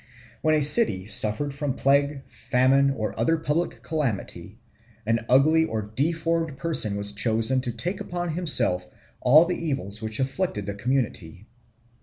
When a city suffered from plague, famine, or other public calamity, an ugly or deformed person was chosen to take upon himself all the evils which afflicted the community.